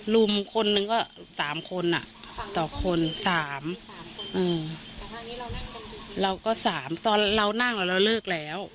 รุมคนนึงก็สามคนอ่ะต่อคนสามสามคนเราก็สามตอนเรานั่งแล้วเราเลิกแล้ว